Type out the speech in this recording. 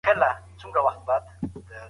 که ښوونکی تجربه ولري، زده کوونکي نه مغشوش کېږي.